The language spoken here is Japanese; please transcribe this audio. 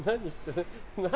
何？